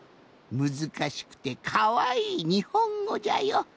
むずかしくてかわいいにほんごじゃよ。